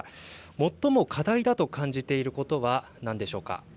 最も課題だと感じていることは何でしょうか。